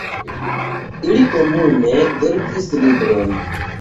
Ili komune verkis libron.